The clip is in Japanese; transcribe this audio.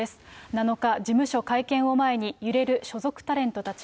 ７日、事務所会見を前に、揺れる所属タレントたち。